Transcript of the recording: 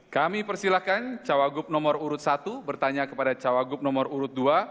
kami persilahkan cawagup nomor urut satu bertanya kepada cawagup nomor urut dua